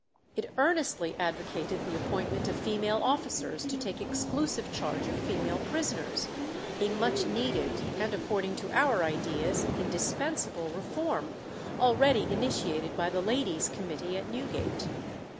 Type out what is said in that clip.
It earnestly advocated the appointment of female officers to take exclusive charge of female prisoners, a much needed and, according to our ideas, indispensable reform, already initiated by the Ladies' Committee at Newgate.